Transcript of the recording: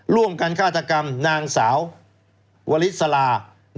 ร่วมกันฆาตกรรมนางสาววลิสลา